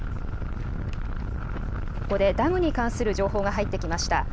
ここでダムに関する情報が入ってきました。